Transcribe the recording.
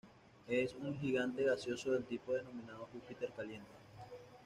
Es un gigante gaseoso del tipo denominado Júpiter caliente.